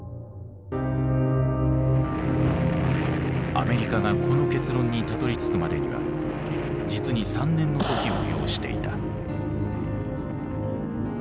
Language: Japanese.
アメリカがこの結論にたどりつくまでには実に３年の時を要していた。